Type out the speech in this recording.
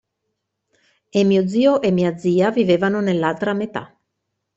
E mio zio e mia zia vivevano nell'altra metà.